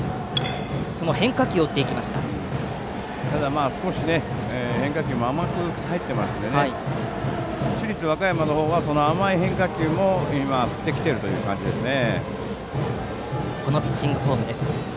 ただ、少し変化球も甘く入っていますので市立和歌山の方は、甘い変化球も振ってきている感じですね。